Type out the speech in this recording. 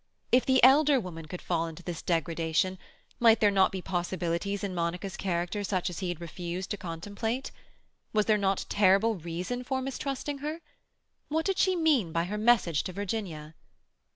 If the elder woman could fall into this degradation, might there not be possibilities in Monica's character such as he had refused to contemplate? Was there not terrible reason for mistrusting her? What did she mean by her message to Virginia?